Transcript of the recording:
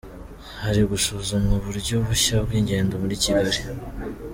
Hari gusuzumwa uburyo bushya bw’ingendo muri Kigali.